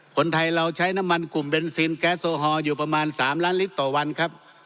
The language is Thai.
คนไทยเราใช้น้ำมันกลุ่มเบนซินแก๊สโอฮอลอยู่ประมาณ๓ล้านลิตรต่อวันครับ